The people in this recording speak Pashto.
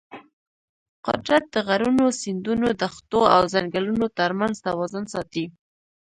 قدرت د غرونو، سیندونو، دښتو او ځنګلونو ترمنځ توازن ساتي.